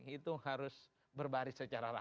itu harus berbaris secara